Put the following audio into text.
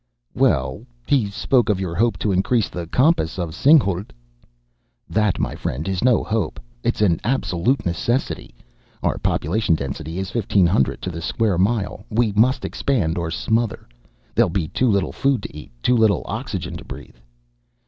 "Well he spoke of your hope to increase the compass of Singhalût." "That, my friend, is no hope; it's absolute necessity. Our population density is fifteen hundred to the square mile. We must expand or smother. There'll be too little food to eat, too little oxygen to breathe."